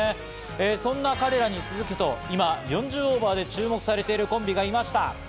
そんな彼らに続けと今、４０オーバーで注目されているコンビがいました。